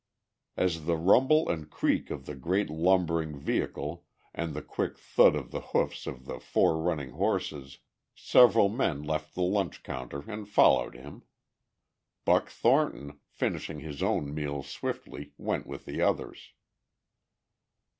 At the rumble and creak of the great lumbering vehicle and the quick thud of the hoofs of the four running horses several men left the lunch counter and followed him. Buck Thornton, finishing his own meal swiftly, went with the others.